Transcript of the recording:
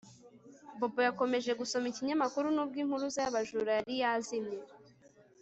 Bobo yakomeje gusoma ikinyamakuru nubwo impuruza yabajura yari yazimye